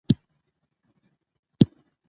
ازادي راډیو د بهرنۍ اړیکې حالت په ډاګه کړی.